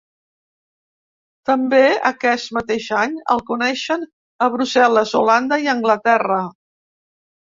També, aquest mateix any el coneixen a Brussel·les, Holanda i Anglaterra.